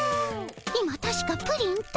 今たしかプリンと。